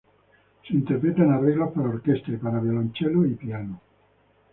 Se interpreta en arreglos para orquesta, y para violonchelo y piano.